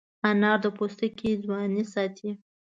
انار د پوستکي ځوانۍ ساتي.